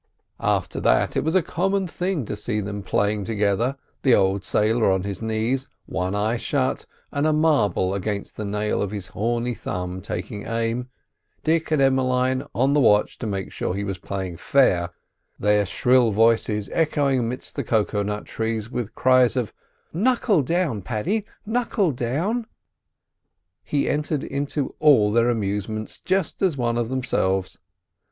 After that it was a common thing to see them playing together, the old sailor on his knees, one eye shut, and a marble against the nail of his horny thumb taking aim; Dick and Emmeline on the watch to make sure he was playing fair, their shrill voices echoing amidst the cocoa nut trees with cries of "Knuckle down, Paddy, knuckle down!" He entered into all their amusements just as one of themselves.